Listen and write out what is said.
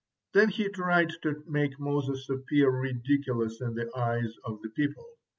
Then he tried to make Moses appear ridiculous in the eyes of the people.